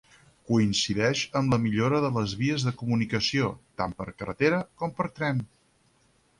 Coincideix amb la millora de les vies de comunicació, tant per carretera com per tren.